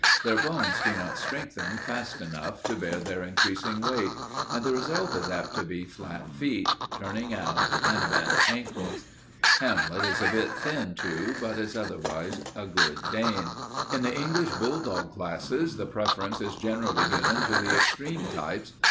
Their bones do not strengthen fast enough to bear their increasing weight, and the result is apt to be flat feet, turning out, and bent ankles. Hamlet is a bit thin, too, but is otherwise a good Dane. In the English bulldog classes, the preference is generally given to the extreme types.